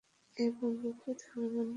এই যুদ্ধ কি ধর্ম নিয়ে?